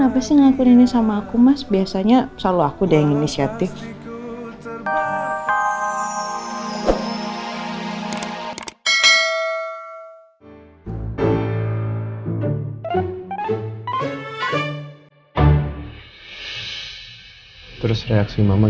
tapi aku minta mama untuk datangnya besok aja